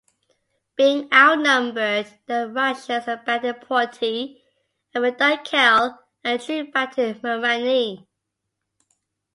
Being outnumbered the Russians abandoned Poti and Redut Kale and drew back to Marani.